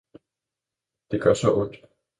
Det gør så ondt!